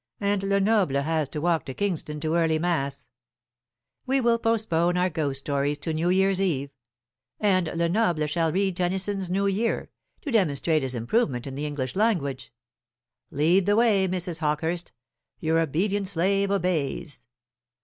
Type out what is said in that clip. And Lenoble has to walk to Kingston to early mass. We will postpone our ghost stories to New Year's eve. And Lenoble shall read Tennyson's New Year, to demonstrate his improvement in the English language. Lead the way, Mrs. Hawkehurst; your obedient slave obeys.